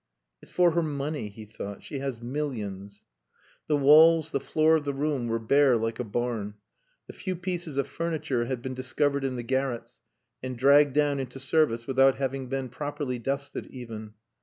"It's for her money," he thought. "She has millions!" The walls, the floor of the room were bare like a barn. The few pieces of furniture had been discovered in the garrets and dragged down into service without having been properly dusted, even.